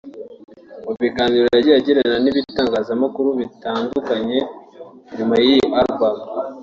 Mu biganiro yagiye agirana n’ibitangazamakuru bitandukanye nyuma y’iyi album